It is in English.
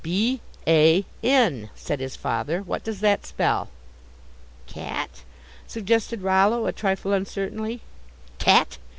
"B a n," said his father, "what does that spell?" "Cat?" suggested Rollo, a trifle uncertainly. "Cat?"